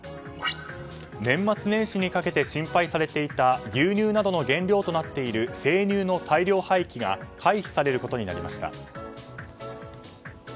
年末年始にかけて心配されていた牛乳などの原料となっている生乳の大量廃棄が回避されることになりました。